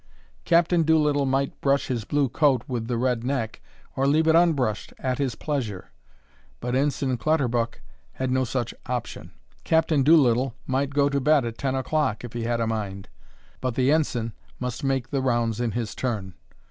Captain Doolittle might brush his blue coat with the red neck, or leave it unbrushed, at his pleasure; but Ensign Clutterbuck had no such option. Captain Doolittle might go to bed at ten o'clock, if he had a mind; but the Ensign must make the rounds in his turn.